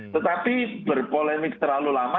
tetapi berpolemik terlalu lama